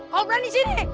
kau berani sini